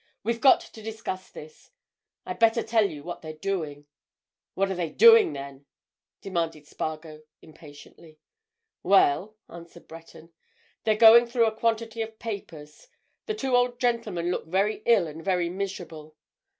"We've got to discuss this. I'd better tell you what they're doing." "What are they doing, then?" demanded Spargo impatiently. "Well," answered Breton. "They're going through a quantity of papers. The two old gentlemen look very ill and very miserable.